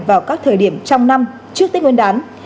vào các thời điểm trong năm trước tích nguyên đán